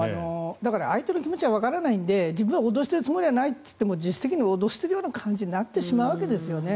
相手の気持ちはわからないので自分は脅してるつもりはなくても実質的に脅しているような感じになってしまうわけですよね。